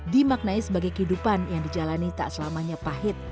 dimaknai sebagai kehidupan yang dijalani tak selamanya pahit